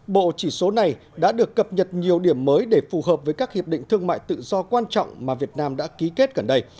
bộ chỉ số này đã được cập nhật nhiều điểm mới để phù hợp với các hiệp định thương mại tự do quan trọng mà việt nam đã ký kết gần đây